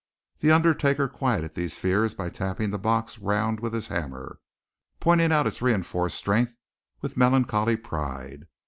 The undertaker quieted these fears by tapping the box around with his hammer, pointing out its reenforced strength with melancholy pride.